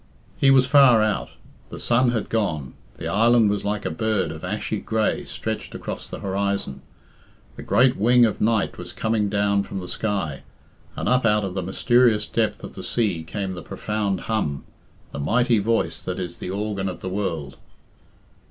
He was far out. The sun had gone, the island was like a bird of ashy grey stretched across the horizon; the great wing of night was coming down from the sky, and up out the mysterious depths of the sea came the profound hum, the mighty voice that is the organ of the world.